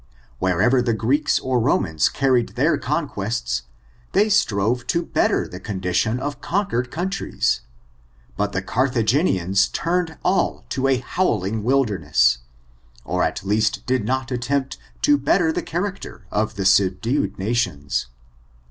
Wherever the Greeks or Romans carried their conquests, they strove to better the condition of conquered countries, but the Carthagenians turned all to a howling wilderness ; or at least did not at* tempt to better the character of the subdued nations.